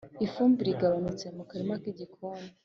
ifumbire igabanutse mu karima k’igikoni,